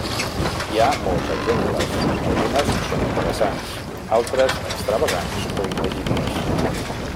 Hi ha molts exemples: algunes són interessants, altres extravagants o il·legibles.